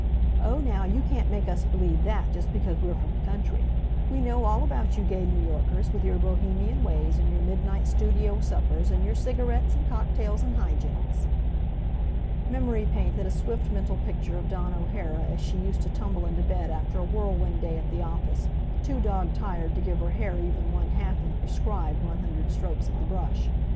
"Oh, now, you can't make us believe that, just because we're from the country! We know all about you gay New Yorkers, with your Bohemian ways and your midnight studio suppers, and your cigarettes, and cocktails and high jinks!" Memory painted a swift mental picture of Dawn O'Hara as she used to tumble into bed after a whirlwind day at the office, too dog tired to give her hair even one half of the prescribed one hundred strokes of the brush.